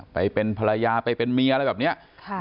ไปเป็นภรรยาไปเป็นเมียอะไรแบบนี้